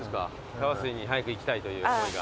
カワスイに早く行きたいという思いが。